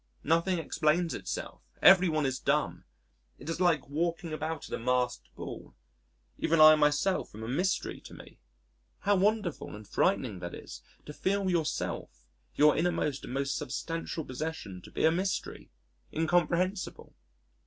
Nothing explains itself. Every one is dumb. It is like walking about at a masqued Ball.... Even I myself am a mystery to me. How wonderful and frightening that is to feel yourself your innermost and most substantial possession to be a mystery, incomprehensible.